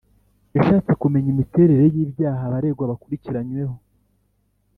yashatse kumenya imiterere y’ibyaha abaregwa bakuriranyweho